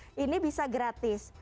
seharusnya ini bisa gratis